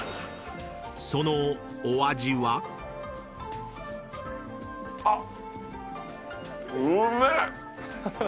［そのお味は？］あっ。